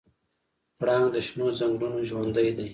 پړانګ د شنو ځنګلونو ژوندی دی.